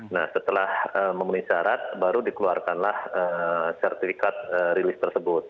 nah setelah memenuhi syarat baru dikeluarkanlah sertifikat rilis tersebut